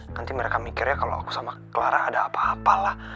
nanti mereka mikirnya kalau aku sama clara ada apa apa lah